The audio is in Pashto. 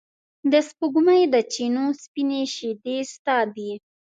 د سپوږمۍ د چېنو سپینې شیدې ستا دي